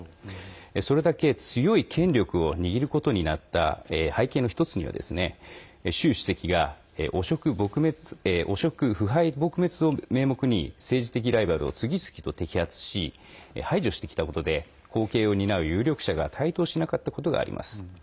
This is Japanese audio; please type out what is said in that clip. それだけ強い権力を握ることになった背景の１つには習主席が汚職・腐敗撲滅を名目に政治的ライバルを次々と摘発し排除してきたことで後継を担う有力者が台頭しなかったことがあります。